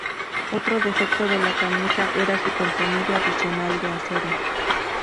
Otro defecto de la camisa era su contenido adicional de acero.